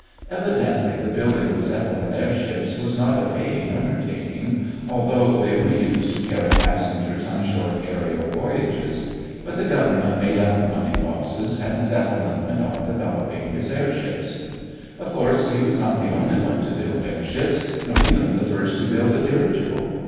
Evidently the building of Zeppelin airships was not a paying undertaking, although they were used to carry passengers on short aërial voyages. But the government made up money losses and Zeppelin went on developing his airships. Of course, he was not the only one to build airships, nor even the first to build a dirigible.